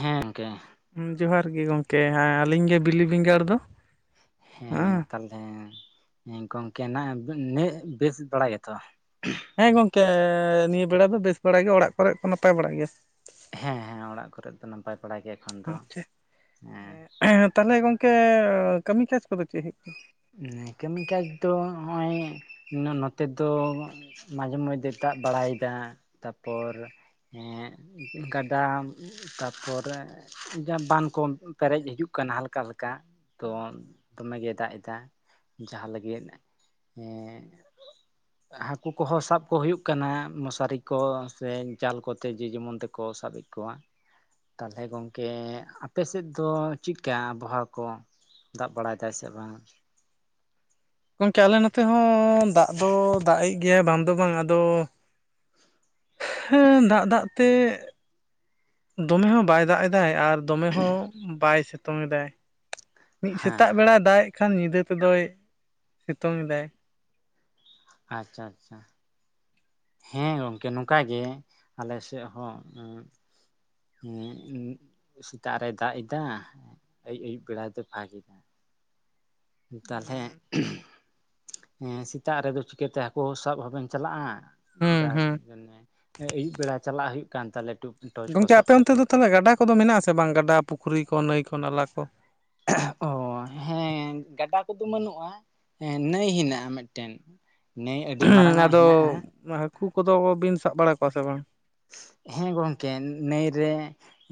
ᱦᱮᱸ ᱜᱚᱝᱠᱮ᱾ ᱦᱩᱸ, ᱡᱚᱦᱟᱨ ᱜᱮ ᱜᱚᱝᱠᱮ, ᱦᱮᱸ ᱟᱞᱤᱧ ᱜᱮ ᱵᱤᱞᱤ ᱵᱮᱸᱜᱟᱲ ᱫᱚ᱾ ᱦᱮᱸ ᱛᱟᱞᱦᱮ, ᱜᱚᱝᱠᱮ ᱱᱟᱜ ᱵᱮ ᱱᱮᱜ ᱵᱮᱥ ᱵᱟᱲᱟ ᱜᱮᱛᱚ? ᱦᱮᱸ ᱜᱚᱝᱠᱮ ᱱᱤᱭᱟᱹ ᱵᱮᱲᱟ ᱫᱚ ᱵᱮᱥ ᱵᱟᱲᱟ ᱜᱮᱭᱟ ᱚᱲᱟᱜ ᱠᱚᱨᱮ ᱠᱚ ᱱᱟᱯᱟᱭ ᱵᱟᱲᱟ ᱜᱮᱭᱟ᱾ ᱦᱮᱸ ᱦᱮᱸ ᱚᱲᱟᱜ ᱠᱚᱨᱮ ᱫᱚ ᱱᱟᱯᱟᱭ ᱵᱟᱲᱟ ᱜᱮᱭᱟ᱾ ᱟᱪᱪᱷᱟ, ᱮᱸ ᱛᱟᱦᱞᱮ ᱜᱚᱝᱠᱮ ᱠᱟᱹᱢᱤ ᱠᱟᱡᱽ ᱠᱚᱫᱚ ᱪᱮᱫ ᱦᱩᱭᱩᱜ ᱠᱟᱱᱟ? ᱦᱩᱸ, ᱠᱟᱹᱢᱤ ᱠᱟᱡᱽ ᱫᱚ ᱦᱚᱸᱜ-ᱚᱭ ᱱᱚᱛᱮ ᱫᱚ ᱢᱟᱡᱷᱮ ᱢᱚᱫᱫᱷᱮ ᱫᱟᱜ ᱵᱟᱲᱟᱭᱫᱟ ᱛᱟᱯᱚᱨ ᱮᱸᱜ ᱠᱟᱫᱟᱢ᱾ ᱛᱟᱯᱚᱨ ᱡᱟᱦᱟᱸ ᱵᱟᱱᱫᱽ ᱠᱚᱢ ᱯᱮᱨᱮᱡ ᱦᱤᱡᱩᱜ ᱠᱟᱱ ᱦᱟᱞᱠᱟ ᱦᱟᱞᱠᱟ᱾ ᱛᱚ, ᱫᱚᱢᱮ ᱜᱮ ᱫᱟᱜ ᱮᱫᱟ ᱡᱟᱦᱟᱸ ᱞᱟᱹᱜᱤᱫ ᱮᱸᱻ [inaudible] ᱦᱟᱹᱠᱩ ᱠᱚᱦᱚᱸ ᱥᱟᱵ ᱠᱚ ᱦᱩᱭᱩᱜ ᱠᱟᱱᱟ, ᱢᱚᱥᱟᱨᱤ ᱠᱚ ᱥᱮ ᱡᱟᱞ ᱠᱚᱛᱮ ᱡᱮ ᱡᱮᱢᱚᱱ ᱛᱮᱠᱚ ᱥᱟᱵᱮᱫ ᱠᱚᱣᱟ ᱛᱟᱞᱦᱮ ᱜᱚᱝᱠᱮ ᱟᱯᱮ ᱥᱮᱫ ᱫᱚ ᱪᱮᱜᱠᱟ ᱟᱵᱚᱦᱟᱣᱟ ᱠᱚ? ᱫᱟᱜ ᱵᱟᱲᱟᱭ ᱫᱟᱭ ᱥᱮ ᱵᱟᱝ? ᱜᱚᱝᱠᱮ ᱟᱞᱮ ᱱᱚᱛᱮ ᱦᱚᱸ ᱫᱟᱜ ᱫᱚ ᱫᱟᱜ ᱮᱜ ᱜᱮᱭᱟ ᱵᱟᱝ ᱫᱚ ᱵᱟᱝ ᱟᱫᱚ ᱦᱮᱸ ᱫᱟᱜ-ᱫᱟᱜ ᱛᱮ ᱫᱚᱢᱮ ᱦᱚᱸ ᱵᱟᱭ ᱫᱟᱜ ᱮᱫᱟᱭ ᱟᱨ ᱫᱚᱢᱮ ᱦᱚᱸ ᱵᱟᱭ ᱥᱤᱛᱩᱝ ᱮᱫᱟᱭ᱾ ᱢᱤᱫ ᱥᱮᱛᱟᱜ ᱦᱮᱸ ᱵᱮᱲᱟᱭ ᱫᱟᱜ-ᱮᱫ ᱠᱷᱟᱱ ᱧᱤᱫᱟᱹ ᱛᱮᱫᱚᱭ ᱥᱤᱛᱩᱝ ᱮᱫᱟᱭ᱾ ᱟᱪᱪᱷᱟ ᱟᱪᱪᱷᱟ᱾ ᱦᱮᱸ ᱜᱚᱝᱠᱮ ᱱᱚᱝᱠᱟ ᱜᱮ ᱟᱞᱮ ᱥᱮᱜ ᱦᱚᱸ᱾ ᱩᱸ ᱩᱸ, ᱥᱮᱛᱟᱜ ᱨᱮᱭ ᱫᱟᱜ ᱮᱫᱟ ᱟᱹᱭᱩᱵ ᱟᱹᱭᱩᱵ ᱵᱮᱲᱟ ᱫᱚ ᱯᱷᱟᱸᱠ ᱮᱫᱟ᱾ ᱛᱟᱞᱦᱮ ᱮᱸ, ᱥᱮᱛᱟᱜ ᱨᱮᱫᱚ ᱪᱤᱠᱟᱹᱛᱮ ᱦᱟᱹᱠᱩ ᱥᱟᱵ ᱦᱚᱸ ᱵᱮᱱ ᱪᱟᱞᱟᱜ-ᱟ? ᱦᱩᱸ ᱡᱟᱠ ᱦᱩᱸ ᱢᱟᱱᱮ ᱟᱹᱭᱩᱵ ᱵᱮᱲᱟ ᱪᱟᱞᱟᱜ ᱦᱩᱭᱩᱜ ᱠᱟᱱ ᱛᱟᱞᱮ ᱴᱩᱠ ᱜᱚᱝᱠᱮ ᱟᱯᱮ ᱚᱱᱛᱮ ᱫᱚ ᱛᱟᱞᱦᱮ ᱜᱟᱰᱟ ᱠᱚᱫᱚ ᱢᱮᱱᱟᱜ-ᱟ ᱥᱮ ᱵᱟᱝ, ᱜᱟᱰᱟ, ᱯᱩᱠᱷᱨᱤ ᱠᱚ, ᱱᱟᱹᱭ ᱠᱚ, ᱱᱟᱞᱟ ᱠᱚ? ᱚ, ᱦᱮᱸ ᱜᱟᱰᱟ ᱠᱚᱫᱚ ᱵᱟᱹᱱᱩᱜ-ᱟ ᱦᱮᱸ ᱱᱟᱹᱭ ᱦᱮᱱᱟᱜ-ᱟ ᱢᱮᱫᱴᱮᱱ᱾ ᱱᱟᱹᱭ ᱟᱹᱰᱤ ᱢᱟᱨᱟᱝᱟᱜ ᱦᱮᱱᱟᱜ-ᱟ᱾ ᱦᱟᱠᱩ ᱠᱚᱫᱚ ᱵᱤᱱ ᱥᱟᱵ ᱵᱟᱲᱟ ᱠᱚᱣᱟ ᱥᱮ ᱵᱟᱝ? ᱦᱮᱸ ᱜᱚᱝᱠᱮ ᱱᱟᱹᱭ ᱨᱮ᱾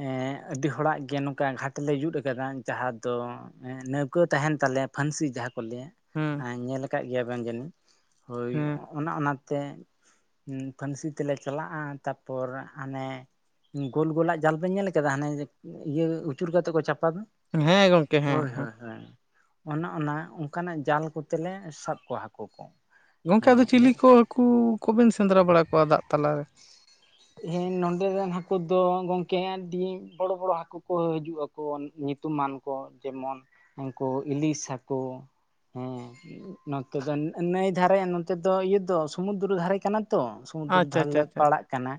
ᱮᱸ ᱟᱹᱰᱤ ᱦᱚᱲᱟᱜ ᱜᱮ ᱱᱚᱠᱟ ᱜᱷᱟᱴ ᱞᱮ ᱡᱩᱫ ᱟᱠᱟᱫᱟ ᱡᱟᱦᱟᱸ ᱫᱚ ᱼᱼ ᱮᱸ ᱱᱟᱹᱣᱠᱟᱹ ᱛᱟᱦᱮᱸᱱ ᱛᱟᱞᱮᱭᱟ ᱯᱷᱟᱹᱱᱥᱤ ᱡᱟᱦᱟᱸ ᱠᱚ ᱞᱟᱹᱭᱼᱟ, ᱦᱮᱸ ᱟᱸ ᱧᱮᱞ ᱟᱠᱟᱜ ᱜᱮᱭᱟ ᱵᱮᱱ ᱡᱟᱹᱱᱤᱡ, ᱦᱳᱭ ᱦᱮᱸ ᱚᱸᱜ ᱚᱱᱟ ᱚᱱᱟ ᱛᱮᱻᱡ ᱩᱸ ᱯᱷᱟᱹᱱᱥᱤ ᱛᱮᱞᱮ ᱪᱟᱞᱟᱜᱼᱟᱸ ᱛᱟᱯᱚᱨ ᱦᱟᱱᱮ ᱼᱼ ᱩᱸ ᱜᱳᱞ ᱜᱳᱞᱟᱜ ᱡᱟᱞ ᱵᱮᱱ ᱧᱮᱞ ᱟᱠᱟᱫᱟ, ᱦᱟᱱᱮᱻᱡ ᱤᱭᱟᱹ ᱩᱹᱪᱩᱨ ᱠᱟᱛᱮ ᱠᱚ ᱪᱟᱯᱟᱫᱟ? ᱦᱮᱸ ᱜᱚᱝᱠᱮ ᱦᱮᱸ ᱦᱳᱭ ᱦᱮᱸ ᱦᱳᱭ ᱦᱳᱭᱮ ᱾ ᱚᱱᱟ ᱚᱱᱟ ᱚᱸᱠᱟᱱᱟᱜ ᱡᱟᱞ ᱠᱚᱛᱮ ᱞᱮ ᱥᱟᱵ ᱠᱚᱣᱟ ᱦᱟᱠᱩ ᱠᱚ ᱾ ᱜᱚᱝᱠᱮ ᱟᱫᱚ ᱪᱤᱞᱤ ᱠᱚ ᱦᱟᱹᱠᱩ ᱠᱚ ᱵᱮᱱ ᱥᱮᱸᱫᱽᱨᱟ ᱵᱟᱲᱟ ᱠᱚᱣᱟ ᱫᱟᱜ ᱛᱟᱞᱟ ᱨᱮ? [inaudible] ᱦᱮᱸ ᱱᱚᱸᱰᱮ ᱨᱮᱱ ᱦᱟᱹᱠᱩ ᱫᱚ ᱜᱚᱝᱠᱮᱸ ᱟᱹᱰᱤᱸ ᱵᱚᱲᱚ ᱵᱚᱲᱚ ᱦᱟᱹᱠᱩ ᱠᱚ ᱦᱤᱡᱩᱜ-ᱟᱠ- ᱠᱚ ᱧᱩᱛᱩᱢᱟᱱ ᱠᱚ ᱡᱮᱢᱚᱱ ᱩᱸᱠᱩ ᱤᱞᱤᱥ ᱦᱟᱹᱠᱩ, ᱦᱮᱸ ᱾ [unintelligible] ᱱᱚᱛᱮ ᱫᱚ ᱱᱟ ᱱᱟᱹᱭ ᱫᱷᱟᱨᱮᱜ ᱱᱚᱛᱮ ᱫᱚ ᱤᱭᱟᱹ ᱫᱚ ᱥᱚᱢᱩᱫᱽᱨᱚ ᱫᱷᱟᱨᱮ ᱠᱟᱱᱟ ᱛᱚ? ᱥᱚᱢᱩᱫᱨᱚ ᱫᱷᱟᱨᱮ ᱟ-ᱪᱟᱪ ᱼᱼ ᱞᱮ ᱯᱟᱲᱟᱜ ᱠᱟᱱᱟ,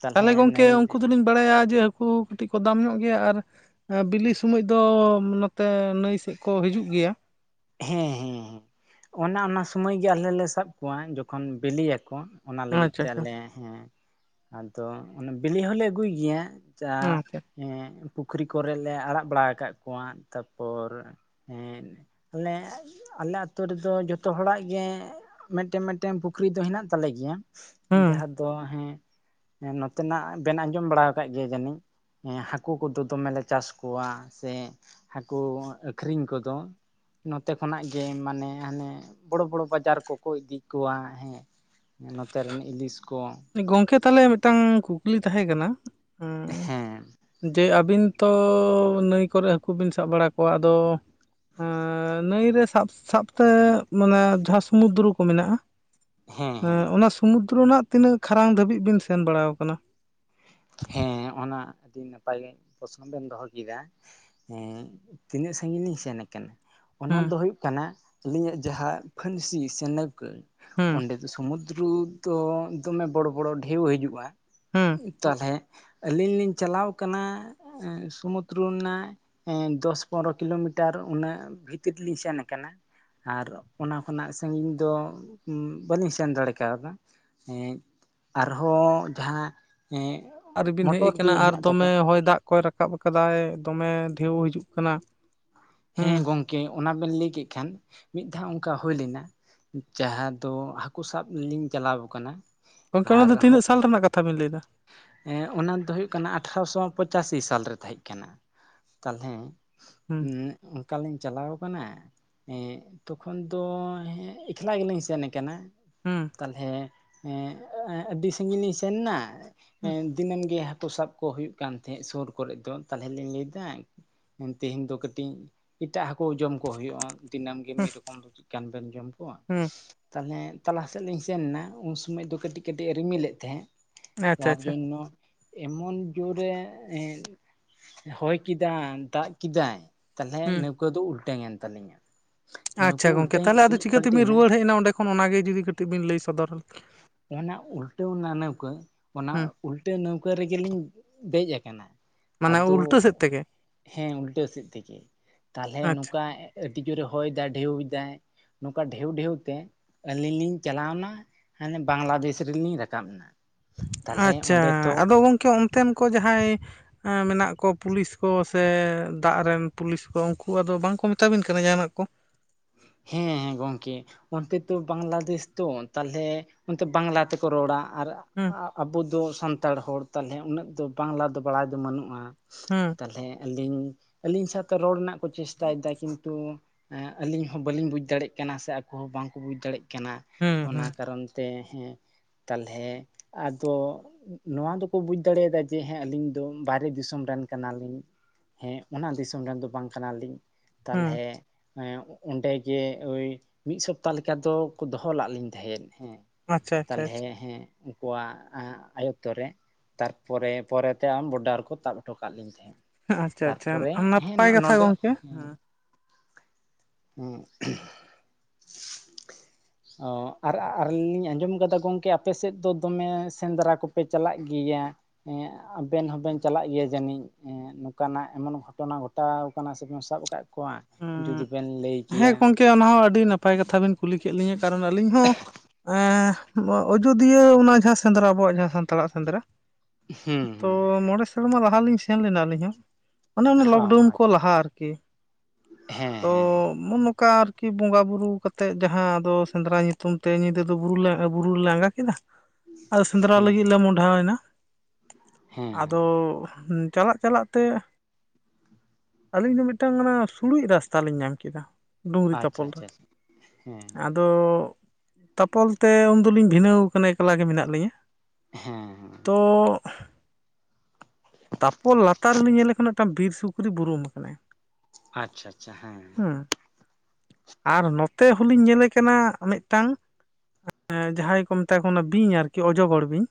ᱛᱟᱞᱦᱮ ᱱᱟᱹᱭ ᱨᱮ ᱼᱼ ᱤᱧ ᱵᱟᱲᱟᱭᱟ ᱡᱮ ᱦᱟᱹᱠᱩ ᱠᱟᱹᱴᱤᱡ ᱠᱚ ᱫᱟᱢ ᱧᱚᱜ ᱜᱮᱭᱟ, ᱟᱨ ᱼᱼ ᱟᱹ ᱵᱤᱞᱤ ᱥᱚᱢᱚᱡ ᱫᱚᱻ ᱱᱚᱛᱮ ᱱᱟᱹᱭ ᱥᱮᱜ ᱠᱚ ᱦᱤᱡᱩᱜ ᱜᱮᱭᱟ ᱾ ᱦᱮᱸ ᱦᱮᱸ ᱦᱮᱸ, ᱚᱱᱟ ᱚᱱᱟ ᱥᱚᱢᱟᱭ ᱜᱮ ᱟᱞᱦᱮ ᱞᱮ ᱥᱟᱵ ᱠᱚᱣᱟ ᱡᱚᱠᱷᱚᱱ ᱵᱤᱞᱤᱭᱟᱠᱚ, ᱚᱱᱟ ᱞᱟᱹᱜᱤᱫ ᱟᱪᱪᱷᱟ ᱛᱮ ᱟᱪᱪᱷᱟ ᱟᱞᱮ ᱦᱮᱸ ᱟᱫᱚ ᱚᱱᱮ ᱵᱤᱞᱤ ᱦᱚᱸᱞᱮ ᱟᱹᱜᱩᱭ ᱜᱮᱭᱟᱸ ᱾ ᱪᱟ ᱟᱪᱪᱷᱟ ᱼᱼ ᱮᱸᱜ ᱯᱩᱠᱷᱨᱤ ᱠᱚᱨᱮ ᱞᱮ ᱟᱲᱟᱜ ᱵᱟᱲᱟ ᱟᱠᱟᱜ ᱠᱚᱶᱟᱫ ᱛᱟᱯᱚᱨ ᱦᱮᱸᱫ ᱼᱼ ᱟᱞᱮᱸᱜ ᱟᱞᱮ ᱟᱹᱛᱩ ᱨᱮᱫᱚ ᱡᱚᱛᱚ ᱦᱚᱲᱟᱜ ᱜᱮᱸᱜ ᱼᱼ ᱢᱮᱫᱴᱮᱢ ᱢᱮᱫᱴᱮᱢ ᱯᱩᱠᱷᱨᱤ ᱫᱚ ᱦᱮᱱᱟᱜ ᱛᱟᱞᱮ ᱜᱮᱭᱟᱸ, ᱦᱮᱸ ᱡᱟᱦᱟᱸ ᱫᱚ ᱦᱮᱸ ᱦᱮᱸ ᱱᱚᱛᱮ ᱱᱟᱜ ᱵᱮᱱ ᱟᱸᱡᱚᱢ ᱵᱟᱲᱟ ᱟᱠᱟᱜ ᱜᱮᱭᱟ ᱡᱟᱹᱱᱤᱡ? ᱦᱮᱸ ᱦᱟᱹᱠᱩ ᱠᱚᱫᱚ ᱫᱚᱢᱮ ᱞᱮ ᱪᱟᱥ ᱠᱚᱶᱟ ᱥᱮᱸ ᱦᱟᱹᱠᱩ ᱟᱺᱠᱷᱨᱤᱧ ᱠᱚᱫᱚ ᱱᱚᱛᱮ ᱠᱷᱚᱱᱟᱜ ᱜᱮ ᱢᱟᱱᱮ ᱦᱟᱱᱮ, ᱵᱚᱲᱚ ᱵᱚᱲᱚ ᱵᱟᱡᱟᱨ ᱠᱚᱠᱚ ᱤᱫᱤ ᱠᱚᱣᱟ, ᱦᱮᱸ ᱾ ᱦᱮᱸ ᱱᱚᱛᱮ ᱨᱤᱱᱤᱡ ᱤᱞᱤᱥ ᱠᱚ ᱾ ᱩᱱᱤ ᱜᱚᱝᱠᱮ ᱛᱟᱞᱦᱮ ᱢᱤᱫᱴᱟᱝ ᱠᱩᱠᱞᱤ ᱛᱟᱦᱮᱸ ᱠᱟᱱᱟ? ᱦᱮᱸ ᱮᱸᱦᱮᱢ ᱾ ᱡᱮ ᱟᱹᱵᱤᱱ ᱛᱚᱻ ᱱᱟᱹᱭ ᱠᱚᱨᱮᱜ ᱦᱟᱹᱠᱩ ᱵᱤᱱ ᱥᱟᱵ ᱵᱟᱲᱟ ᱠᱚᱣᱟ ᱟᱫᱚ ᱟᱸ ᱱᱟᱹᱭ ᱨᱮ ᱥᱟᱵ ᱥᱟᱵᱛᱮᱻ ᱢᱟᱱᱮ ᱡᱟᱦᱟᱸ ᱥᱩᱢᱩᱫᱽᱩᱨᱩ ᱠᱚ ᱢᱮᱱᱟᱜᱼᱟ ᱦᱮᱸ ᱟᱸ ᱦᱮᱸ ᱚᱱᱟ ᱥᱩᱢᱩᱫᱽᱨᱚ ᱨᱮᱱᱟᱜ ᱛᱤᱱᱟᱹᱜ ᱠᱷᱟᱨᱟᱝ ᱫᱷᱟᱹᱵᱤᱡ ᱵᱤᱱ ᱥᱮᱱ ᱵᱟᱲᱟᱣ ᱠᱟᱱᱟ? ᱦᱮᱸ ᱚᱱᱟ ᱟᱹᱫᱤ ᱱᱟᱯᱟᱭ ᱯᱚᱥᱱᱚ ᱵᱮᱱ ᱫᱚᱦᱚ ᱠᱮᱫᱟ ᱾ ᱦᱮᱸ ᱛᱤᱱᱟᱹᱜ ᱥᱟᱺᱜᱤᱧ ᱞᱤᱧ ᱥᱮᱱ ᱟᱠᱟᱱᱟ? ᱚᱱᱟ ᱦᱩᱸ ᱫᱚ ᱦᱩᱭᱩᱜ ᱠᱟᱱᱟ, ᱟᱹᱞᱤᱧᱟᱜ ᱡᱟᱦᱟ ᱯᱷᱟᱹᱱᱥᱤ ᱥᱮ ᱱᱟᱹᱣᱠᱟᱹ, ᱦᱩᱸ ᱚᱸᱰᱮ ᱥᱩᱢᱩᱫᱽᱩᱨᱩ ᱫᱚ ᱫᱚᱢᱮ ᱵᱚᱲᱚ ᱵᱚᱲᱚ ᱰᱷᱮᱣ ᱦᱤᱡᱩᱜᱼᱟ, ᱦᱩᱸ᱾ ᱛᱟᱞᱦᱮ ᱟᱹᱞᱤᱧ ᱞᱤᱧ ᱪᱟᱞᱟᱣ ᱟᱠᱟᱱᱟ, ᱮᱸ ᱥᱩᱢᱩᱫᱽᱩᱨᱩ ᱨᱮᱱᱟᱜ ᱮᱸ ᱫᱚᱥ ᱯᱚᱱᱨᱚ ᱠᱤᱞᱳᱢᱤᱴᱟᱨ ᱩᱱᱟᱹᱜ ᱵᱷᱤᱛᱤᱨ ᱞᱤᱧ ᱥᱮᱱ ᱟᱠᱟᱱᱟ, ᱟᱨ ᱚᱱᱟ ᱠᱷᱚᱱᱟᱜ ᱥᱟᱺᱜᱤᱧ ᱫᱚ ᱩᱸ ᱵᱟᱹᱞᱤᱧ ᱥᱮᱱ ᱫᱟᱲᱮ ᱠᱟ ᱣᱟᱫᱟ, ᱦᱮᱸᱡ ᱟᱨᱦᱚ ᱡᱟᱦᱟᱸ ᱮᱸᱜ ᱟᱨ ᱵᱤᱱ ᱦᱮᱡ ᱮᱠᱟᱱᱟ ᱟᱨ ᱫᱚᱢᱮ ᱦᱚᱭ ᱫᱟᱜ ᱠᱚᱭ ᱨᱟᱠᱟᱵ ᱟᱠᱟᱫᱟᱭ ᱫᱚᱢᱮ ᱰᱷᱮᱣ ᱦᱤᱡᱩᱜ ᱠᱟᱱᱟ᱾ ᱦᱩᱸ ᱦᱮᱸ ᱜᱚᱝᱠᱮ ᱚᱱᱟ ᱵᱮᱱ ᱞᱟᱹᱭ ᱠᱮᱜ ᱠᱷᱟᱱ ᱢᱤᱫ ᱫᱷᱟᱣ ᱚᱸᱠᱟ ᱦᱩᱭ ᱞᱮᱱᱟ, ᱡᱟᱦᱟ ᱫᱚ ᱦᱟᱹᱠᱩ ᱥᱟᱵ ᱞᱤᱧ ᱪᱟᱞᱟᱣᱟᱠᱟᱱᱟ, ᱜᱚᱝᱠᱮ ᱚᱱᱟ ᱫᱚ ᱛᱤᱱᱟᱹᱜ ᱥᱟᱞ ᱨᱮᱱᱟᱜ ᱠᱟᱛᱷᱟ ᱵᱤᱱ ᱞᱟᱹᱭ ᱮᱫᱟ? ᱦᱮᱸ ᱚᱱᱟ ᱫᱚ ᱦᱩᱭᱩᱜ ᱠᱟᱱᱟ ᱟᱴᱷᱨᱚ ᱥᱚ ᱯᱚᱸᱪᱟᱥᱤ ᱥᱟᱞ ᱨᱮ ᱛᱟᱦᱮᱸᱡ ᱠᱟᱱᱟ, ᱛᱟᱞᱦᱮᱸ ᱦᱩᱸ ᱩᱸᱜ ᱚᱝᱠᱟᱞᱤᱧ ᱪᱟᱞᱟᱣ ᱠᱟᱱᱟ? ᱮᱸᱜ ᱛᱚᱠᱷᱚᱱ ᱫᱚ ᱮᱠᱞᱟ ᱜᱮᱞᱤᱧ ᱥᱮᱱ ᱠᱟᱱᱟ᱾ ᱦᱩᱸ ᱛᱟᱦᱞᱮ ᱮᱸᱜ ᱟᱹᱰᱤ ᱥᱟᱺᱜᱤᱧ ᱞᱤᱧ ᱥᱮᱱᱱᱟ, ᱦᱩᱸ ᱮᱸ ᱫᱤᱱᱟᱹᱢ ᱜᱮ ᱦᱟᱹᱠᱳ ᱥᱟᱵ ᱠᱚ ᱦᱩᱭᱩᱜ ᱠᱟᱱ ᱛᱟᱦᱮᱸᱫ ᱥᱳᱨ ᱠᱚᱨᱮ ᱫᱚ ᱛᱟᱦᱚᱞᱮ ᱞᱤᱧ ᱞᱟᱹᱭ ᱮᱫᱟ ᱛᱮᱦᱮᱧ ᱫᱚ ᱠᱟᱹᱴᱤᱡ ᱮᱴᱟᱜ ᱦᱟᱹᱠᱳ ᱡᱚᱢ ᱠᱚ ᱦᱳᱭᱳᱜᱼᱟ᱾ ᱫᱤᱱᱟᱹᱢ ᱜᱮ ᱢᱤᱫ ᱨᱚᱠᱚᱢ ᱪᱮᱫᱠᱟᱱ ᱵᱮᱱ ᱡᱚᱢ ᱠᱚᱣᱟ? ᱦᱩᱸ ᱛᱟᱦᱞᱮ ᱛᱟᱞᱟ ᱥᱮᱫ ᱞᱤᱧ ᱥᱮᱱ ᱮᱱᱟ ᱩᱱ ᱥᱚᱢᱚᱭ ᱫᱚ ᱠᱟᱹᱴᱤᱡ ᱠᱟᱹᱴᱤᱡ ᱨᱤᱢᱤᱞᱮᱫ ᱛᱟᱦᱮᱸᱫ ᱾ ᱟᱪᱪᱷᱟ ᱡᱟᱨ ᱟᱪᱪᱷᱟ ᱡᱟᱱᱱᱭᱚ ᱮᱢᱚᱱ ᱡᱳᱨᱮ ᱮᱸ ᱦᱚᱭ ᱠᱮᱫᱟ ᱫᱟᱜ ᱠᱮᱫᱟᱭ ᱛᱟᱦᱚᱞᱮ ᱦᱩᱸ ᱱᱟᱹᱣᱠᱟᱹ ᱫᱚ ᱩᱞᱴᱟᱹᱝ ᱮᱱ ᱛᱟᱹᱞᱤᱧᱟ᱾ ᱱᱟᱹᱣᱠᱟᱹ ᱟᱪᱪᱷᱟ ᱜᱚᱝᱠᱮ ᱩᱞᱴᱟᱹᱣᱮᱱ ᱛᱟᱦᱞ ᱠᱷᱟᱱ ᱟᱫᱚ ᱪᱤᱠᱟᱹ ᱛᱮᱵᱤᱱ ᱯᱟᱞᱴᱤᱭᱮᱱᱟ ᱨᱩᱣᱟᱹᱲ ᱦᱮᱡ ᱮᱱᱟ ᱚᱰᱸᱮ ᱠᱷᱚᱱ ᱚᱱᱟ ᱜᱮ ᱡᱩᱫᱤ ᱠᱟᱹᱴᱤᱡ ᱵᱤᱱ ᱞᱟᱹᱭ ᱥᱚᱫᱚᱨ ᱚᱱᱟ ᱩᱞᱴᱟᱹᱣ ᱚᱱᱟ ᱱᱟᱹᱣᱠᱟᱹ ᱚᱱᱟ ᱦᱩᱸ ᱩᱞᱴᱟᱹᱣ ᱱᱟᱹᱣᱠᱟᱹ ᱨᱮᱜᱮᱞᱤᱧ ᱫᱮᱡ ᱠᱟᱱᱟ ᱾ ᱢᱟᱱᱮ ᱩᱞᱴᱟᱹ ᱥᱮᱫ ᱛᱮᱜᱮ? ᱦᱮᱸ ᱩᱞᱴᱟᱹ ᱥᱮᱫ ᱛᱮᱜᱮ, ᱛᱟᱦᱚᱞᱮ ᱟᱪᱪᱷᱟ ᱱᱚᱝᱠᱟ ᱟᱹᱰᱤ ᱡᱳᱨᱮ ᱦᱚᱭᱫᱟᱭ ᱰᱷᱮᱣᱫᱟᱭ, ᱱᱚᱝᱠᱟ ᱰᱷᱮᱣ ᱰᱷᱮᱣ ᱛᱮ ᱟᱹᱞᱤᱧ ᱞᱤᱧ ᱪᱟᱞᱟᱣᱱᱟ ᱦᱟᱸᱱᱮ ᱵᱟᱝᱞᱟᱫᱮᱥ ᱨᱮᱞᱤᱧ ᱨᱟᱠᱟᱵ ᱱᱟ ᱾ ᱟᱪᱪᱷᱟ, ᱟᱫᱚ ᱜᱚᱢᱠᱮ ᱚᱱᱛᱮᱱ ᱠᱚ ᱡᱟᱦᱟᱸᱭ ᱢᱮᱱᱟᱜ ᱠᱚ ᱯᱩᱞᱤᱥ ᱠᱚ ᱥᱮ ᱫᱟᱜ ᱨᱮᱱ ᱯᱩᱞᱤᱥ ᱠᱚ ᱩᱝᱠᱩ ᱟᱫᱚ ᱵᱟᱝᱠᱚ ᱢᱮᱛᱟᱵᱤᱱ ᱠᱟᱱᱟ ᱡᱟᱦᱟᱸᱱᱟᱜ ᱠᱚ? ᱦᱮᱸ ᱜᱚᱢᱠᱮ ᱾ ᱚᱱᱛᱮ ᱛᱚ ᱵᱟᱝᱞᱟᱫᱮᱥ ᱛᱚ ᱛᱟᱦᱞᱮ ᱚᱱᱛᱮ ᱵᱟᱝᱞᱟ ᱛᱮᱠᱚ ᱨᱚᱲᱟ ᱾ ᱟᱨ ᱦᱩᱸ ᱟᱵᱚ ᱫᱚ ᱥᱟᱱᱛᱟᱲ ᱦᱚᱲ ᱛᱟᱦᱚᱞᱮ ᱩᱱᱟᱹᱜ ᱫᱚ ᱵᱟᱝᱞᱟ ᱫᱚ ᱵᱟᱲᱟᱭ ᱫᱚ ᱵᱟᱹᱱᱩᱜᱼᱟ ᱾ ᱦᱩᱸ ᱾ ᱛᱟᱦᱞᱮ ᱟᱹᱞᱤᱧ ᱟᱹᱞᱤᱧ ᱥᱟᱶᱛᱮ ᱨᱚᱲ ᱨᱮᱱᱟᱜ ᱠᱚ ᱪᱮᱥᱴᱟᱭᱫᱟ ᱠᱤᱱᱛᱩ ᱟᱹᱞᱤᱧ ᱦᱚᱸ ᱵᱟᱹᱞᱤᱧ ᱵᱩᱡᱽ ᱫᱟᱲᱮᱜ ᱠᱟᱱᱟ ᱥᱮ ᱟᱠᱚ ᱦᱚᱸ ᱵᱟᱝᱠᱚ ᱵᱩᱡᱽ ᱫᱟᱲᱮᱜ ᱠᱟᱱᱟ, ᱦᱩᱸ ᱚᱱᱟ ᱦᱩᱸ ᱠᱟᱨᱚᱱ ᱛᱮ, ᱦᱮᱸ ᱛᱟᱦᱞᱮ ᱟᱫᱚ ᱱᱚᱣᱟ ᱫᱚᱠᱚ ᱵᱩᱡᱽ ᱫᱟᱲᱮᱭᱟᱫᱟ ᱡᱮ ᱦᱮᱸ ᱟᱹᱞᱤᱧ ᱫᱚ ᱵᱟᱦᱨᱮ ᱫᱤᱥᱚᱢ ᱨᱮᱱ ᱠᱟᱱᱟᱞᱤᱧ ᱾ ᱦᱮᱸ ᱚᱱᱟ ᱫᱤᱥᱚᱢ ᱨᱮᱱ ᱫᱚ ᱵᱟᱝ ᱠᱟᱱᱟᱞᱤᱧ ᱛᱟᱦᱞᱮ ᱦᱩᱸ ᱦᱮᱸ ᱚᱸᱰᱮ ᱜᱮ ᱳᱭ ᱢᱤᱫ ᱥᱚᱯᱛᱟ ᱞᱮᱠᱟ ᱫᱚᱠᱚ ᱫᱚᱦᱚ ᱞᱟᱜ ᱞᱤᱧ ᱛᱟᱦᱮᱸᱫ ᱦᱮᱸ ᱟᱪᱪᱷᱟ ᱾ ᱟᱪᱪᱷᱟ ᱛᱟᱦᱞᱮ ᱟᱪᱪᱷᱟ ᱦᱮᱸ ᱩᱱᱠᱩᱣᱟᱜ ᱟᱭᱚᱛᱛᱚ ᱨᱮ, ᱛᱟᱨᱯᱚᱨᱮ ᱯᱚᱨᱮᱛᱮ ᱟᱢ ᱵᱚᱰᱟᱨ ᱠᱚ ᱛᱟᱵ ᱦᱚᱴᱚ ᱠᱟᱜ ᱞᱤᱧ ᱛᱟᱦᱮᱸᱫ ᱾ ᱟᱪᱪᱷᱟ ᱟᱪᱪᱷᱟ ᱛᱟᱨᱯᱚᱨᱮ ᱦᱮᱸ ᱱᱟᱯᱟᱭ ᱠᱟᱛᱷᱟ ᱱᱚᱰᱮ ᱜᱚᱢᱠᱮ ᱦᱮᱸ ᱦᱩᱸ ᱾ ᱚᱸ ᱟᱨ ᱟᱨ ᱞᱤᱧ ᱟᱸᱡᱚᱢ ᱠᱟᱫᱟ ᱜᱚᱢᱠᱮ ᱟᱯᱮ ᱥᱮᱫ ᱫᱚ ᱫᱚᱢᱮ ᱥᱮᱸᱫᱽᱨᱟ ᱠᱚᱯᱮ ᱪᱟᱞᱟᱜ ᱜᱮᱭᱟ? ᱦᱮᱸ ᱟ ᱟᱵᱮᱱ ᱦᱚᱸᱵᱮᱱ ᱪᱟᱞᱟᱜ ᱜᱮᱭᱟ ᱡᱟᱱᱤᱡ ᱮᱸ ᱱᱚᱠᱟᱱᱟᱜ ᱮᱢᱚᱱ ᱜᱷᱚᱴᱚᱱᱟ ᱜᱷᱚᱴᱟᱣ ᱠᱟᱱᱟ ᱥᱮ ᱵᱮᱱ ᱥᱟᱵ ᱠᱟᱜ ᱠᱚᱣᱟ ᱡᱩᱫᱤ ᱩᱸ ᱵᱮᱱ ᱞᱟᱹᱭ ᱦᱮᱸ ᱠᱮᱭᱟ ᱜᱚᱝᱠᱮ ᱚᱱᱟ ᱦᱚᱸ ᱟᱹᱰᱤ ᱱᱟᱯᱟᱭ ᱠᱟᱛᱷᱟ ᱵᱮᱱ ᱠᱩᱞᱤ ᱠᱮᱫ ᱞᱤᱧᱟᱹ ᱠᱟᱨᱚᱱ ᱟᱹᱞᱤᱧ ᱦᱚᱸ ᱮᱸ ᱵᱚᱸ‌ ᱟ ᱡᱚᱫᱤᱭᱟᱹ ᱚᱱᱟ ᱡᱟᱦᱟᱸ ᱥᱮᱸᱫᱽᱨᱟ ᱟᱵᱚᱣᱟᱜ ᱡᱟᱦᱟ ᱥᱟᱱᱛᱟᱲᱟᱜ ᱥᱮᱸᱫᱽᱨᱟ ᱦᱩᱸ ᱛᱚ ᱦᱩᱸ ᱢᱚᱬᱮ ᱥᱮᱨᱢᱟ ᱞᱟᱦᱟ ᱞᱤᱧ ᱥᱮᱱ ᱞᱮᱱᱟ ᱟᱹᱞᱤᱧ ᱦᱚᱸ᱾ ᱚᱱᱮ ᱚᱱᱟ ᱚ ᱞᱚᱠᱰᱟᱣᱩᱱ ᱠᱚ ᱟᱪᱪᱷᱟ ᱞᱟᱦᱟ ᱟᱨᱠᱤ ᱦᱮᱸ ᱛᱚ ᱦᱮᱸ ᱢᱩᱼᱢᱚᱠᱟ ᱟᱨᱠᱤ ᱵᱚᱸᱜᱟ ᱵᱩᱨᱩ ᱠᱟᱛᱮᱫ ᱡᱟᱦᱟᱸ ᱫᱚ ᱥᱮᱸᱫᱽᱨᱟ ᱧᱩᱛᱩᱢ ᱛᱮ ᱧᱤᱫᱟᱹ ᱫᱚ ᱵᱩᱨᱩ ᱞᱮ ᱵᱩᱨᱩ ᱞᱮ ᱟᱸᱜᱟ ᱠᱮᱫᱟ, ᱟᱫᱚ ᱥᱮᱸᱫᱽᱨᱟ ᱦᱮᱸ ᱞᱟᱹᱜᱤᱫ ᱞᱮ ᱢᱚᱦᱰᱟᱣᱮᱱᱟ ᱦᱮᱸ ᱦᱮᱸ ᱟᱫᱚ ᱩᱸ ᱪᱟᱞᱟᱜ ᱪᱟᱞᱟᱜ ᱛᱮ ᱟᱹᱞᱤᱧ ᱫᱚ ᱢᱤᱫᱴᱟᱝ ᱚᱱᱟ ᱥᱲᱩᱡᱽ ᱨᱟᱥᱛᱟ ᱞᱤᱧ ᱧᱟᱢ ᱠᱮᱫᱟ᱾ ᱟᱪᱪᱷᱟ ᱟᱪᱪᱷᱟ ᱦᱮᱸ ᱳᱻ ᱛᱟᱯᱚᱞ ᱛᱮ ᱩᱱ ᱫᱩᱞᱤᱧ ᱵᱷᱤᱱᱟᱹᱣ ᱟᱠᱟᱱᱟ ᱮᱠᱞᱟ ᱜᱮ ᱢᱮᱱᱟᱜ ᱞᱤᱧᱟᱹ ᱦᱮᱸ ᱦᱮᱸ ᱛᱚᱻ ᱛᱟᱯᱚᱞ ᱞᱟᱛᱟᱨ ᱨᱮᱞᱤᱧ ᱧᱮᱞᱮ ᱠᱟᱱᱟ ᱢᱤᱫ ᱴᱟᱝ ᱵᱤᱨ ᱥᱩᱠᱨᱤ ᱵᱩᱨᱩᱢ ᱟᱠᱟᱱᱟᱭ, ᱟᱪᱪᱷᱟ ᱟᱪᱪᱷᱟ ᱦᱮᱸ, ᱟᱨ ᱱᱚᱛᱮ ᱦᱚᱞᱤᱧ ᱧᱮᱞᱮ ᱠᱟᱱᱟ ᱢᱤᱫ ᱴᱟᱝ, ᱮᱸ ᱡᱟᱦᱟᱸᱭ ᱠᱚ ᱢᱮᱛᱟ ᱠᱚ ᱚᱱᱟ ᱵᱤᱧ ᱟᱨᱠᱤ ᱚᱡᱚᱜᱚᱨ ᱵᱤᱧ,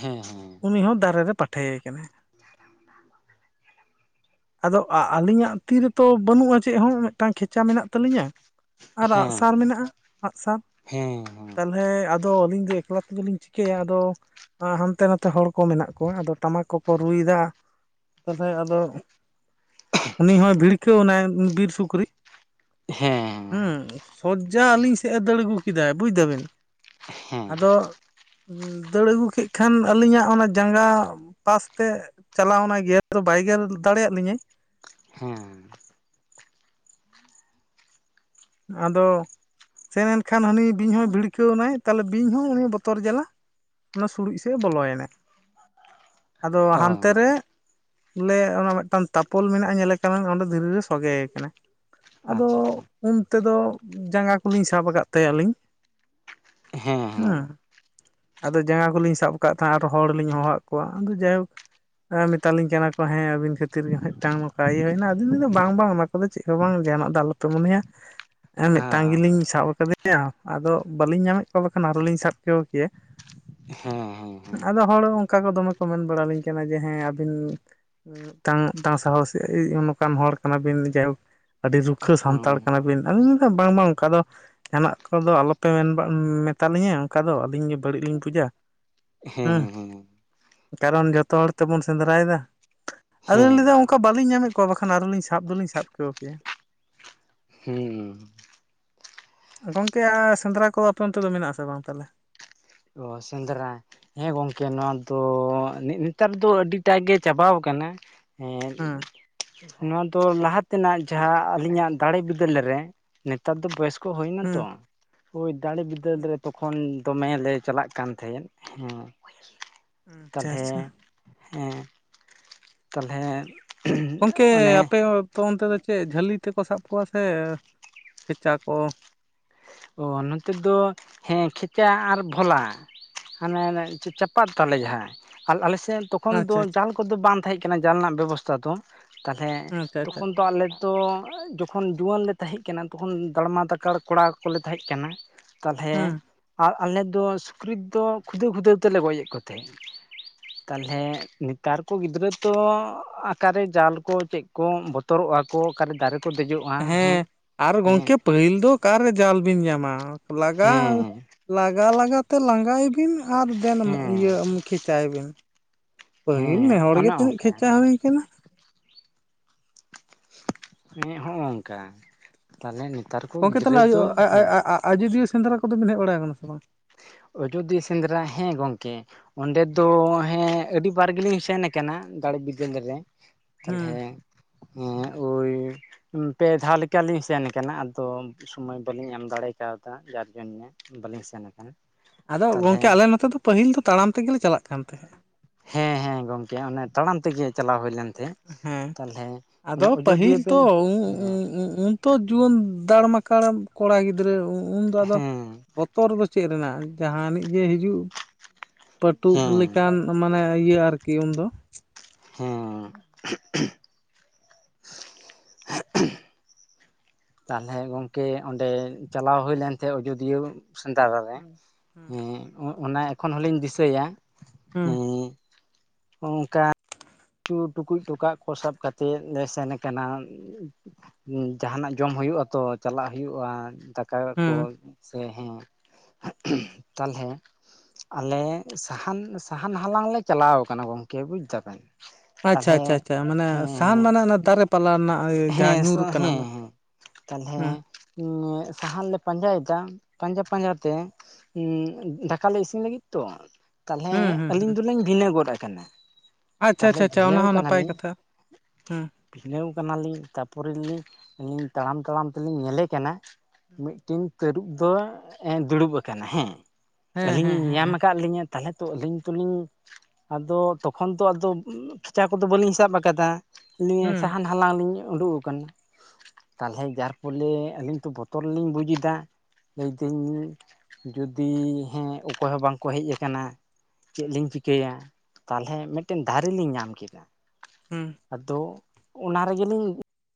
ᱦᱮᱸ ᱦᱮᱸ ᱩᱱᱤ ᱦᱚᱸ ᱫᱟᱨᱮ ᱨᱮ ᱯᱟᱴᱷᱮ ᱟᱠᱟᱱᱟᱭ, [inaudible] ᱟᱫᱚ ᱟ ᱟᱹᱞᱤᱧ ᱟᱜ ᱛᱤ ᱨᱮᱛᱚ ᱵᱟᱹᱱᱩᱜᱼᱟ ᱪᱮᱫ ᱦᱚᱸ ᱢᱤᱫ ᱴᱟᱝ ᱠᱷᱮᱪᱟ ᱢᱮᱱᱟᱜ ᱛᱟᱞᱤᱧᱟ, ᱟᱨ ᱦᱮᱸ ᱟᱸᱜᱼᱥᱟᱨ ᱢᱮᱱᱟᱜᱼᱟ ᱟᱸᱜᱼᱥᱟᱨ ᱦᱮᱸ ᱛᱟᱞᱦᱮ ᱟᱨ ᱟᱫᱚ ᱟᱹᱞᱤᱧ ᱫᱚ ᱮᱠᱞᱟ ᱛᱮᱜᱮ ᱞᱤᱧ ᱪᱤᱠᱟᱹᱭᱟ ᱟᱫᱚ ᱟᱸ ᱦᱟᱱᱛᱮ ᱱᱟᱛᱮ ᱦᱚᱲ ᱠᱚ ᱢᱮᱱᱟᱜ ᱠᱚᱣᱟ ᱟᱫᱚ ᱴᱟᱢᱟᱠ ᱠᱚ, ᱠᱚ ᱨᱩᱭ ᱫᱟ ᱛᱟᱦᱞᱮ ᱟᱫᱚ ᱩᱱᱤ ᱦᱚᱸ ᱵᱷᱤᱲ, ᱠᱷᱮᱣ ᱚᱱᱟ ᱵᱤᱨ ᱥᱩᱠᱨᱤ, ᱦᱮᱸ ᱦᱩᱸ ᱥᱚᱡᱽᱡᱟ ᱟᱹᱞᱤᱧ ᱥᱮᱫ ᱮ ᱫᱟᱹᱲ ᱟᱹᱜᱩ ᱠᱮᱫᱟᱭ ᱵᱩᱡᱽ ᱫᱟ ᱵᱤᱱ, ᱦᱮᱸ ᱦᱮᱸ ᱟᱫᱚ ᱫᱟᱹᱲ ᱟᱹᱜᱩ ᱠᱮᱫ ᱠᱷᱟᱱ ᱟᱹᱞᱤᱧᱟᱜ ᱚᱱᱟ ᱡᱟᱸᱜᱟ, ᱯᱟᱥ ᱛᱮ ᱪᱟᱞᱟᱣ ᱱᱟᱭ ᱜᱮᱨ ᱫᱚ ᱵᱟᱭ ᱜᱮᱨ ᱫᱟᱲᱮᱭᱟᱜ ᱞᱤᱧᱟᱹᱭ ᱦᱮᱸ ᱟᱫᱚ ᱥᱮᱱ ᱮᱱᱠᱷᱟᱱ ᱦᱟᱹᱱᱤ ᱵᱤᱧ ᱦᱚᱸᱭ ᱵᱷᱤᱲᱠᱟᱹᱣ ᱮᱱᱟᱭ ᱛᱟᱦᱞᱮ ᱵᱤᱧ ᱦᱚᱸ ᱩᱱᱤ ᱵᱚᱛᱚᱨ ᱡᱟᱞᱟ, ᱚᱱᱟ ᱥᱩᱲᱩᱡᱽ ᱥᱮᱡᱽ ᱮ ᱵᱚᱞᱚᱭᱮᱱᱟ ᱟᱫᱚ ᱦᱮᱸ ᱦᱟᱱᱛᱮ ᱚ ᱨᱮ, ᱵᱚᱞᱮ ᱚᱱᱟ ᱢᱤᱫ ᱴᱟᱝ ᱛᱟᱯᱚᱞ ᱢᱮᱱᱟᱜᱼᱟ ᱧᱮᱞᱮ ᱠᱟᱱᱟ ᱚᱸᱰᱮ ᱫᱷᱤᱨᱤ ᱨᱮ ᱥᱚᱸᱜᱮ ᱟᱠᱟᱱᱟ, ᱟᱫᱚ ᱟᱪᱪᱷᱟ ᱟᱪᱪᱷᱟ ᱩᱱ ᱛᱮᱫᱚ ᱡᱟᱸᱜᱟ ᱠᱚᱞᱤᱧ ᱥᱟᱵ ᱟᱠᱟᱫ ᱛᱟᱭᱟ ᱞᱤᱧᱸ ᱦᱮᱸ ᱟᱫᱚ ᱡᱟᱸᱜᱟ ᱠᱚᱞᱤᱧ ᱥᱟᱵ ᱟᱠᱟᱫ ᱛᱟᱦᱮᱸᱫ ᱟᱨᱚ ᱦᱚᱲ ᱞᱤᱧ ᱦᱚᱦᱚᱣᱟᱫ ᱠᱚᱣᱟ ᱟᱫᱚ ᱡᱟᱭᱦᱳᱠ, ᱮᱸ ᱢᱮᱛᱟ ᱞᱤᱧ ᱠᱟᱱᱟ ᱠᱚ ᱦᱮᱸ ᱟᱹᱵᱤᱱ ᱠᱷᱟᱹᱛᱤᱨ ᱜᱮ ᱢᱤᱫ ᱴᱟᱝ ᱱᱚᱝᱠᱟ ᱤᱭᱟᱹ ᱦᱩᱭᱱᱟ ᱟᱫᱩᱧ ᱞᱟᱹᱭ ᱫᱟ ᱵᱟᱝ ᱵᱟᱝ ᱚᱱᱟ, ᱚᱱᱟ ᱠᱚᱫᱚ ᱪᱮᱫ ᱦᱚᱸ ᱵᱟᱝ ᱡᱟᱦᱟᱱᱟᱜ ᱫᱚ ᱟᱞᱚ ᱯᱮ ᱢᱚᱱᱮᱭᱟ, ᱦᱮᱸ ᱢᱤᱫ ᱴᱟᱝ ᱜᱮ ᱞᱤᱧ ᱥᱟᱵ ᱟᱠᱟᱫᱮᱭᱟ ᱟᱫᱚ ᱵᱟᱞᱤᱧ ᱧᱟᱢᱮᱫ ᱠᱚᱣᱟ ᱵᱟᱠᱷᱟᱱ ᱟᱨᱚᱸ ᱞᱤᱧ ᱥᱟᱵ ᱪᱚ ᱠᱮᱭᱟ, ᱦᱮᱸ ᱦᱮᱸ, ᱦᱮᱸ ᱦᱮᱸ ᱟᱫᱚ ᱦᱚᱲ ᱚᱱᱠᱟ ᱠᱚ ᱫᱚᱢᱮ ᱠᱚ ᱢᱮᱱ ᱵᱟᱲ ᱟᱞᱤᱧ ᱠᱟᱱᱟ ᱡᱮ ᱦᱮᱸ ᱟᱹᱵᱤᱱ ᱢᱤᱫ ᱴᱟᱝ ᱢᱤᱫ ᱴᱟᱝ ᱥᱟᱦᱚᱥ ᱚᱱᱠᱟᱱ ᱦᱚᱲ ᱠᱟᱱᱟ ᱵᱤᱱ ᱡᱟᱭ ᱦᱳᱠ, ᱟᱹᱰᱤ ᱨᱩᱠᱷᱟᱹ ᱥᱟᱱᱛᱟᱲ ᱦᱚᱸ ᱠᱟᱱᱟ ᱵᱤᱱ ᱟᱫᱚᱧ ᱢᱮᱱ ᱫᱟ ᱵᱟᱝ ᱵᱟᱝ ᱚᱱᱠᱟ ᱫᱚ, ᱡᱟᱦᱟᱱᱟᱜ ᱠᱚᱫᱚ ᱟᱞᱚᱯᱮ ᱢᱮᱱ ᱢᱮᱛᱟ ᱞᱤᱧᱟ ᱚᱱᱠᱟ ᱫᱚ ᱟᱹᱞᱤᱧ ᱜᱮ ᱵᱟᱲᱤᱡ ᱞᱤᱧ ᱯᱩᱡᱟ ᱦᱩᱸ᱾ ᱦᱮᱸ ᱦᱮᱸ ᱠᱟᱨᱚᱱ ᱡᱚᱛᱚ ᱦᱚᱲ ᱛᱮᱵᱚᱱ ᱥᱮᱸᱫᱽᱨᱟᱭᱮᱫᱟ᱾ ᱟᱫᱚᱧ ᱦᱮᱸ ᱞᱟᱹᱭ ᱫᱟ ᱚᱱᱠᱟ ᱵᱟᱹᱞᱤᱧ ᱧᱟᱢᱮᱫ ᱠᱚᱣᱟ ᱵᱟᱠᱷᱟᱱ ᱟᱨᱚ ᱞᱤᱧ ᱥᱟᱵ ᱫᱚ ᱞᱤᱧ ᱥᱟᱵ ᱦᱚᱪᱚ ᱠᱮᱭᱟ, ᱦᱮᱸ ᱦᱩᱸ ᱜᱚᱝᱠᱮ ᱟᱨ ᱥᱮᱸᱫᱽᱨᱟ ᱠᱚ ᱟᱯᱮ ᱚᱱᱛᱮᱫᱚ ᱢᱮᱱᱟᱜ ᱟᱥᱮ ᱵᱟᱝ ᱛᱟᱦᱞᱮ, ᱚ ᱥᱮᱸᱫᱨᱟ, ᱦᱮᱸ ᱜᱚᱝᱠᱮ ᱱᱚᱣᱟ ᱫᱚ ᱱᱮᱜ ᱱᱮᱛᱟᱨ ᱫᱚ ᱟᱹᱰᱤᱴᱟᱜ ᱜᱮ ᱪᱟᱵᱟᱣ ᱠᱟᱱᱟ, ᱦᱩᱸ ᱦᱮᱸ ᱱᱚᱣᱟ ᱫᱚ ᱞᱟᱦᱟ ᱛᱮᱱᱟᱜ ᱡᱟᱦᱟᱸ ᱟᱹᱞᱤᱧᱟᱜ ᱫᱟᱲᱮ ᱵᱤᱫᱟᱹᱞ ᱨᱮ ᱱᱮᱛᱟᱨ ᱫᱚ ᱵᱚᱭᱚᱥ ᱠᱚ ᱦᱳᱭ ᱱᱟᱛᱚ ᱦᱩᱸ ᱳᱭ ᱫᱟᱲᱮᱹ ᱵᱤᱫᱟᱹᱞ ᱦᱩᱸ ᱨᱮ ᱛᱚᱠᱷᱚᱱ ᱫᱚᱢᱮᱞᱮ ᱪᱟᱞᱟᱜ ᱠᱟᱱ ᱛᱟᱦᱮᱸᱫ, ᱦᱩᱸ ᱦᱩᱸ ᱟᱪᱪᱷᱟ ᱛᱟᱞᱦᱮ ᱟᱪᱪᱷᱟ ᱮᱸᱜ ᱛᱟᱞᱦᱮᱸ ᱜᱚᱝᱠᱮ ᱟᱯᱮ ᱚᱱᱛᱮ ᱫᱚ ᱪᱮᱫ ᱡᱷᱟᱹᱞᱤ ᱛᱮᱠᱚ ᱥᱟᱵ ᱠᱚᱣᱟ ᱥᱮ ᱠᱷᱮᱪᱟ ᱠᱚ? ᱚᱻ ᱱᱚᱛᱮ ᱫᱚ ᱦᱮᱸ ᱠᱷᱮᱪᱟ ᱟᱨ ᱯᱷᱚᱞᱟ ᱾ ᱦᱟᱱᱮ- ᱦᱟᱱᱮ ᱪᱟᱼᱪᱟᱯᱟᱫ ᱛᱟᱞᱮ ᱡᱟᱦᱟ, ᱟᱞᱮ ᱥᱮᱫ ᱛᱚᱠᱷᱚᱱ ᱫᱚ ᱟᱪᱪᱷᱟ ᱟᱪᱪᱷᱟ ᱡᱟᱞ ᱠᱚᱫᱚ ᱵᱟᱝ ᱛᱟᱦᱮᱸ ᱠᱟᱱᱟ ᱡᱟᱞ ᱱᱟᱜ ᱵᱮᱵᱚᱥᱛᱟ ᱫᱚ ᱛᱟᱞᱦᱮ ᱟᱪᱪᱷᱟ ᱟᱪᱪᱷᱟ ᱛᱚᱠᱷᱚᱱ ᱫᱚ ᱟᱞᱮ ᱛᱚ ᱡᱚᱠᱷᱚᱱ ᱡᱩᱣᱟᱹᱱ ᱞᱮ ᱛᱟᱦᱮᱸ ᱠᱟᱱᱟ ᱛᱚᱠᱷᱚᱱ ᱫᱟᱲᱢᱟ ᱫᱟᱠᱟᱲ ᱠᱚᱲᱟ ᱠᱚᱞᱮ ᱛᱟᱦᱮᱸ ᱠᱟᱱᱟ ᱛᱟᱞᱦᱮ ᱦᱮᱸ ᱟᱨ ᱟᱞᱮ ᱫᱚ ᱥᱩᱠᱨᱤ ᱫᱚ ᱠᱷᱩᱫᱟᱹᱣ ᱠᱷᱩᱫᱟᱹᱣ ᱛᱮᱞᱮ ᱜᱚᱡ ᱮᱫ ᱠᱚ ᱛᱟᱦᱮᱸ ᱾ ᱛᱟᱞᱦᱮ ᱱᱤᱛ ᱱᱮᱛᱟᱨ ᱠᱚ ᱜᱤᱫᱽᱨᱟᱹ ᱛᱚ ᱟᱠᱟᱨᱮ ᱡᱟᱞ ᱠᱚ ᱪᱮᱫ ᱠᱚ ᱵᱚᱛᱚᱨᱚᱜᱼᱟ ᱠᱚ ᱚᱠᱟᱨᱮ ᱫᱟᱨᱮᱹ ᱦᱮᱸ ᱟᱨ ᱜᱚᱝᱠᱮ ᱯᱟᱹᱦᱤᱞ ᱫᱚ ᱚᱠᱟᱨᱮ ᱡᱟᱞ ᱵᱤᱱ ᱧᱟᱢᱟ ᱾ ᱞᱟᱜᱟ, ᱦᱮᱸ ᱞᱟᱜᱟ ᱞᱟᱜᱟᱛᱮ ᱞᱟᱸᱜᱟᱭᱮ ᱵᱤᱱ ᱟᱨ ᱮᱱ ᱦᱮᱸ ᱤᱭᱟᱹ ᱠᱷᱮᱪᱟᱭᱮ ᱵᱤᱱ ᱯᱟᱹᱦᱤᱞ ᱦᱮᱸ ᱱᱮ ᱦᱚᱲ ᱚᱱᱮ ᱜᱮ ᱛᱤᱱᱟᱹᱜ ᱚᱱᱠᱟ ᱠᱷᱮᱪᱟ ᱦᱳᱭ ᱟᱠᱟᱱᱟ ᱾ ᱦᱮᱸ ᱦᱳ ᱚᱱᱠᱟ ᱛᱟᱞᱦᱮ ᱱᱮᱛᱟᱨ ᱠᱚ ᱜᱚᱝᱠᱮ ᱜᱤᱫᱽᱨᱟᱹ ᱛᱟᱦᱚᱞᱮ ᱫᱚ ᱦᱩᱸᱦ ᱟᱡᱚᱫᱤᱭᱟᱹ ᱥᱮᱸᱫᱽᱨᱟ ᱠᱚᱫᱚᱵᱮᱱ ᱦᱮᱡ ᱵᱟᱲᱟ ᱟᱠᱟᱱᱟ ᱥᱮ ᱵᱟᱝ? ᱟᱡᱚᱫᱤᱭᱟᱹ ᱥᱮᱸᱫᱽᱨᱟ ᱦᱮᱸ ᱜᱚᱝᱠᱮ ᱚᱸᱰᱮ ᱫᱚ ᱦᱮᱸ ᱟᱹᱰᱤ ᱵᱟᱨ ᱜᱮᱞᱤᱧ ᱥᱮᱱ ᱟᱠᱟᱱᱟ ᱫᱟᱲᱮᱹ ᱵᱤᱫᱟᱹᱞ ᱨᱮ ᱛᱟᱞᱦᱮ ᱦᱮᱸ, ᱳᱭ ᱾ ᱯᱮ ᱫᱷᱟᱣ ᱞᱮᱠᱟ ᱞᱤᱧ ᱥᱮᱱ ᱠᱟᱱᱟ ᱟᱫᱚ ᱥᱚᱢᱚᱭ ᱵᱟᱹᱞᱤᱧ ᱧᱟᱢ ᱫᱟᱲᱮ ᱠᱟᱣᱫᱟ ᱡᱟᱨ ᱡᱚᱱ-ᱱᱮ ᱵᱟᱞᱤᱧ ᱥᱮᱱ ᱟᱠᱟᱱᱟ ᱾ ᱟᱫᱚ ᱜᱚᱝᱠᱮ ᱟᱞᱮ ᱱᱚᱛᱮ ᱫᱚ ᱯᱟᱹᱦᱤᱞ ᱫᱚ ᱛᱟᱲᱟᱢ ᱛᱮᱜᱮ ᱞᱮ ᱪᱟᱞᱟᱜ ᱠᱟᱱ ᱛᱟᱦᱮᱸ ᱾ ᱦᱮᱸ ᱦᱮᱸ ᱜᱚᱝᱠᱮ ᱚᱱᱮ ᱛᱟᱲᱟᱢ ᱛᱮᱜᱮ ᱪᱟᱞᱟᱣ ᱦᱳᱭᱞᱮᱱ ᱛᱮ ᱦᱮᱸ ᱟᱫᱚ ᱯᱟᱹᱦᱤᱞ ᱛᱚ ᱵᱮᱱ ᱩᱸᱻ ᱦᱮᱸ ᱩᱸᱻ ᱩᱸ ᱾ ᱛᱚ ᱡᱩᱣᱟᱹᱱ ᱫᱟᱲ ᱢᱟᱠᱟᱲ ᱠᱚᱲᱟ ᱜᱤᱫᱽᱨᱟᱹ ᱩᱱ ᱩᱱ ᱫᱚ ᱟᱫᱚ ᱦᱮᱸ ᱛᱚᱨ ᱫᱚ ᱪᱮᱫ ᱨᱮᱱᱟᱜ ᱡᱟᱦᱟᱱᱤᱡ ᱜᱮ ᱦᱤᱡᱩᱜ ᱯᱟᱹᱴᱩᱵ ᱦᱮᱸ ᱞᱮᱠᱟᱱ ᱢᱟᱱᱮ ᱤᱭᱟᱹ ᱟᱨᱠᱤ ᱩᱱ ᱫᱚ ᱾ ᱦᱮᱸ ᱻᱻᱷᱳᱦ-ᱷᱦ ᱾ ᱛᱟᱦᱞᱮ ᱜᱚᱝᱠᱮ ᱚᱸᱰᱮ ᱪᱟᱞᱟᱣ ᱦᱳᱭ ᱞᱮᱱ ᱛᱮ ᱚᱡᱚᱫᱤᱭᱟᱹ ᱥᱮᱸᱫᱟᱨᱟ ᱨᱮ ᱦᱩᱸ ᱦᱩᱸ ᱾ ᱩᱹᱜ ᱚᱱᱟ ᱮᱠᱷᱚᱱ ᱦᱚᱸᱞᱤᱧ ᱫᱤᱥᱟᱹᱭᱟ ᱦᱩᱸ, ᱚᱱᱠᱟ ᱪᱚᱜ, ᱴᱩᱠᱩᱡ ᱴᱚᱠᱟᱜ ᱠᱚ ᱥᱟᱵ ᱠᱟᱛᱮᱜ ᱞᱮ ᱥᱮᱱ ᱟᱠᱟᱱᱟ ᱾ ᱡᱟᱦᱟᱱᱟᱜ ᱡᱚᱢ ᱦᱩᱭᱩᱜᱼᱟ ᱛᱚ ᱪᱟᱞᱟᱜ ᱦᱩᱭᱩᱜᱼᱟ ᱫᱟᱠᱟ ᱠᱚ ᱦᱩᱸ ᱦᱮᱸ, ᱷᱳᱦ ᱛᱟᱞᱦᱮ ᱟᱞᱮ ᱥᱟᱦᱟᱱ, ᱥᱟᱦᱟᱱ ᱦᱟᱞᱟᱝ ᱞᱮ ᱪᱟᱞᱟᱣ ᱟᱠᱟᱱᱟ ᱜᱚᱝᱠᱮ ᱵᱩᱡᱽ ᱫᱟᱵᱮᱱ ᱟᱪᱪᱷᱟ ᱛᱟᱞᱦᱮ -ᱪᱷᱟ -ᱪᱷᱟ ᱢᱟᱱᱮ ᱥᱟᱦᱟᱱ ᱦᱮᱸ ᱢᱟᱱᱮ ᱚᱱᱟ ᱫᱟᱨᱮ ᱯ ᱯᱟᱞᱟ ᱨᱮᱱᱟᱜ ᱦᱮᱸ ᱡᱟᱦᱟᱸ ᱦᱮᱸ ᱧᱩᱨ ᱟᱠᱟᱱᱟ ᱚᱱᱟ, ᱦᱮᱸ ᱢᱮᱸᱜ, ᱥᱟᱦᱟᱱ ᱞᱮ ᱯᱟᱸᱡᱟᱭᱮᱫᱟ ᱯᱟᱸᱡᱟ ᱯᱟᱸᱡᱟ ᱛᱮ ᱩᱸᱜ, ᱫᱟᱠᱟᱞᱤᱧ ᱤᱥᱤᱱ ᱞᱟᱹᱜᱤᱫ ᱛᱚ ᱛᱟᱞᱦᱮ ᱦᱩᱸ ᱦᱩᱸ ᱟᱹᱞᱤᱧ ᱦᱩᱸ ᱫᱚᱞᱤᱧ ᱵᱷᱤᱱᱟᱹ ᱜᱚᱫ ᱟᱠᱟᱱᱟ ᱟᱪᱪᱷᱟ ᱛᱟᱞᱦᱮ ᱟᱪᱪᱷᱟ ᱟᱪᱪᱷᱟ ᱚᱱᱟ ᱵᱷᱤᱱᱟᱹᱣ ᱦᱚᱸ ᱱᱟᱯᱟᱭ ᱠᱟᱱᱟᱞᱤᱧ, ᱠᱟᱛᱷᱟ ᱦᱩᱸ ᱵᱷᱤᱱᱟᱹᱣ ᱠᱟᱱᱟᱞᱤᱧ ᱛᱟᱯᱚᱨᱮᱞᱤᱧ ᱞᱤᱧ ᱛᱟᱲᱟᱢ ᱛᱟᱲᱟᱢ ᱛᱮᱞᱤᱧ ᱧᱮᱞᱮ ᱠᱟᱱᱟ ᱢᱤᱫᱴᱮᱱ ᱛᱟᱹᱨᱩᱵ ᱫᱚ ᱫᱩᱲᱩᱵ ᱟᱠᱟᱱᱟ ᱦᱮᱸ ᱦᱮᱸ ᱟᱞᱤᱧ ᱮ ᱦᱮᱸ ᱦᱮᱸ ᱧᱟᱢ ᱦᱮᱸ ᱟᱠᱟᱫ ᱞᱤᱧᱟᱹ ᱛᱟᱞᱦᱮ ᱛᱚ ᱟᱹᱞᱤᱧ ᱛᱚᱞᱤᱧ ᱟᱫᱚ ᱛᱚᱠᱷᱚᱱ ᱛᱚ ᱟᱫᱚ ᱠᱷᱮᱪᱟ ᱠᱚᱫᱚ ᱵᱟᱞᱤᱧ ᱥᱟᱵ ᱟᱠᱟᱫᱟ ᱟᱞᱤᱧ ᱦᱩᱸ ᱥᱟᱦᱟᱱ ᱦᱟᱞᱟᱝ ᱞᱤᱧ ᱩᱸᱰᱳᱠ ᱟᱠᱟᱱᱟ ᱛᱟᱞᱦᱮ ᱡᱟᱨ ᱯᱚᱞᱮ ᱟᱹᱞᱤᱧ ᱛᱚ ᱵᱚᱛᱚᱨ ᱞᱤᱧ ᱵᱩᱡᱽ ᱮᱫᱟ, ᱞᱟᱹᱭᱫᱟᱹᱧ ᱡᱩᱫᱤ ᱦᱮᱸ ᱚᱠᱚᱭ ᱦᱚᱸ ᱵᱟᱝᱠᱚ ᱦᱮᱡ ᱟᱠᱟᱱᱟ? ᱪᱮᱫ ᱦᱩᱸ ᱞᱤᱧ ᱪᱤᱠᱟᱹᱭᱟ, ᱛᱟᱦᱚᱞᱮ ᱦᱩᱸ ᱢᱤᱫᱴᱮᱱ ᱫᱟᱨᱮ ᱞᱤᱧ ᱧᱟᱢ ᱠᱮᱫᱟ᱾ ᱦᱮᱸ ᱟᱫᱚ ᱚᱱᱟ ᱨᱮᱜᱮ ᱞᱤᱧᱼᱼ